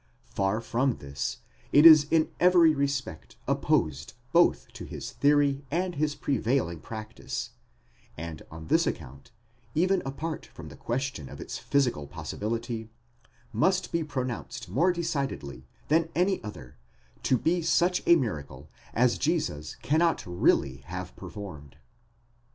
Far from this, it is in every respect opposed both to his theory and his prevailing practice, and on this account, even apart from the question of its physical possibility, must be pronounced more decidedly, than any other, to be such a miracle as Jesus cannot really have performed.